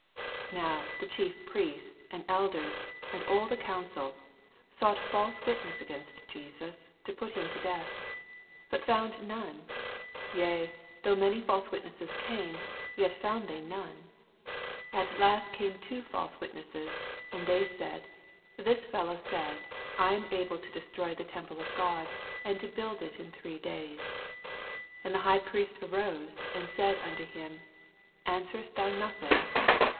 69 Now the Chief Priests, and eU ders, and all the ooundl, sought false MATTHEW, CHAP. XXVi. 871 witness against JesnS| to put him to death; (SO !Bat foand none: yea, though many false witnesses came, yet found they noD e. At the last came two false witnesses, 61 Ana S£ud, This/^ZZour said. I am able to destroy the temple of Goa, and to build it in three days. 62 And the High Priest arose, and said unto him. Answerest thou noth ing